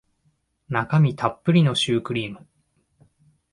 中身たっぷりのシュークリーム